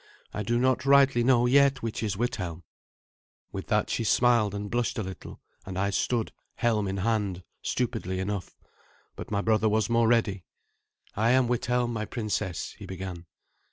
I do not rightly know yet which is Withelm." With that she smiled and blushed a little, and I stood, helm in hand, stupidly enough. But my brother was more ready. "I am Withelm, my princess " he began.